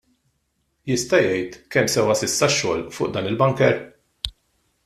Jista' jgħid kemm sewa s'issa x-xogħol fuq dan il-bunker?